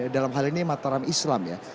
dalam hal ini mataram islam ya